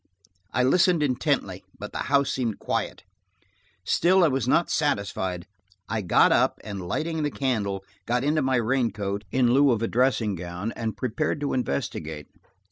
I listened intently, but the house seemed quiet. Still I was not satisfied. I got up and, lighting the candle, got into my raincoat in lieu of a dressing gown, and prepared to investigate.